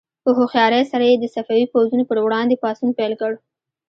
په هوښیارۍ سره یې د صفوي پوځونو پر وړاندې پاڅون پیل کړ.